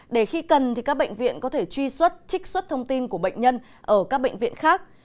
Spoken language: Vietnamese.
để khi cần thì các bệnh viện có thể truy xuất trích xuất thông tin của bệnh nhân ở các bệnh viện khác